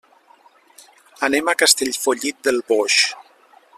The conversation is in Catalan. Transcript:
Anem a Castellfollit del Boix.